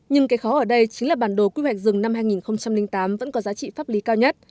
nhưng cái khó ở đây chính là bản đồ quy hoạch rừng năm hai nghìn tám vẫn có giá trị pháp lý cao nhất